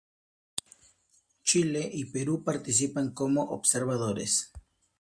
Chile y Perú participan como observadores.